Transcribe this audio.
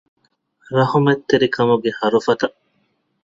ރަޙްމަތްތެރިކަމުގެ ހަރުފަތަށް